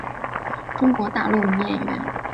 中国大陆女演员。